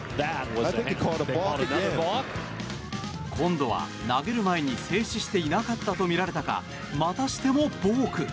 今度は投げる前に静止していなかったとみられたかまたしてもボーク。